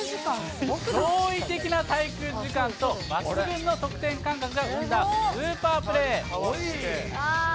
驚異的な滞空時間と抜群の得点感覚が生んだスーパープレー。